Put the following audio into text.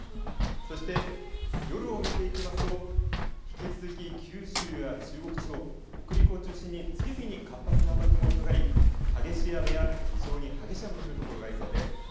そして夜を見ていきますと引き続き九州や中国地方、北陸を中心に次々に活発な雨雲がかかり激しい雨や非常に激しい雨の降る所がありそうです。